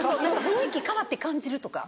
雰囲気変わって感じるとか。